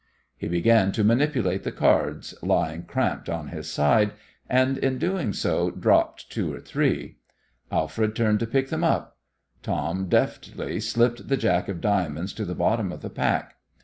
He began to manipulate the cards, lying cramped on his side, and in doing so dropped two or three. Alfred turned to pick them up. Tom deftly slipped the jack of diamonds to the bottom of the pack.